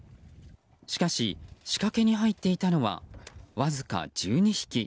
しかし、仕掛けに入っていたのはわずか１２匹。